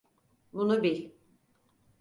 Bunu bil.